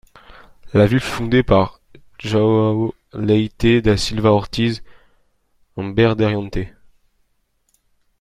La ville fut fondé par João Leite da Silva Ortiz, un Bandeirante.